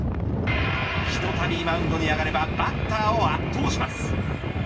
ひとたびマウンドに上がればバッターを圧倒します。